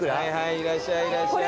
いらっしゃいいらっしゃい。